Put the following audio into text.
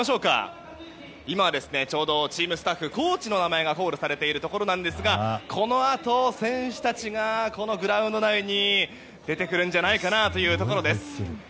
今はちょうどチームスタッフコーチの名前がコールされているんですがこのあと、選手たちがグラウンド内に出てくるんじゃないかというところです。